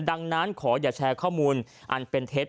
ดังนั้นขออย่าแชร์ข้อมูลอันเป็นเท็จ